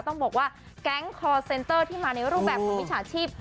ต้องบอกว่าแก๊งคอร์เซนเตอร์ที่มาในรูปแบบของมิจฉาชีพ